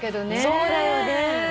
そうだよね。